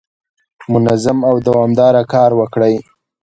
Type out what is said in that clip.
منظم او دوامداره کار وکړئ.